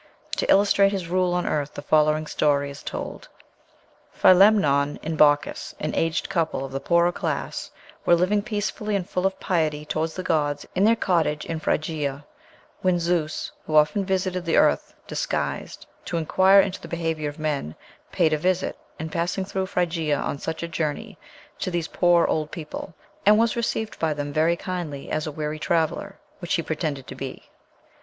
To illustrate his rule on earth the following story is told: "Philemon and Baukis, an aged couple of the poorer class, were living peacefully and full of piety toward the gods in their cottage in Phrygia, when Zeus, who often visited the earth, disguised, to inquire into the behavior of men, paid a visit, in passing through Phrygia on such a journey, to these poor old people, and was received by them very kindly as a weary traveller, which he pretended to be.